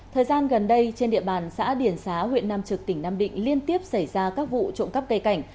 thời gian gần đây trên địa bàn xã điển xá huyện nam trực tỉnh nam định liên tiếp xảy ra các vụ trộm cắp cây cảnh